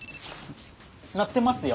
鳴ってますよ。